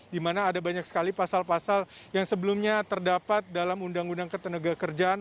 di mana ada banyak sekali pasal pasal yang sebelumnya terdapat dalam undang undang ketenaga kerjaan